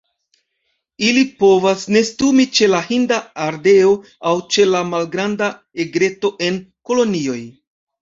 Ili povas nestumi ĉe la Hinda ardeo aŭ ĉe la Malgranda egreto en kolonioj.